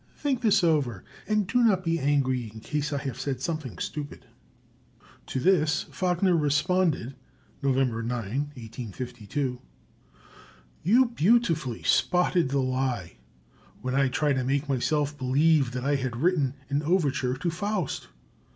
Think this over, and do not be angry in case I have said something stupid." To this Wagner responded (November 9, 1852): "You beautifully spotted the lie when I tried to make myself believe that I had written an overture to 'Faust.'